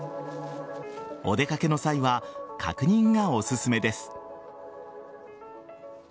お出掛けの際は確認がおすすめです。